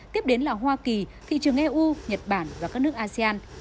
tiếp đến là hoa kỳ thị trường eu nhật bản và các nước asean